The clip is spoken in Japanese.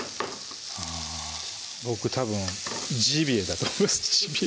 あ僕たぶんジビエだと思いますジビエ？